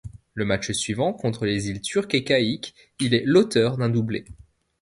Le match suivant, contre les Îles Turques-et-Caïques, il est l'auteur d'un doublé.